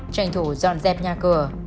tranh thủ dọn dẹp nhà cửa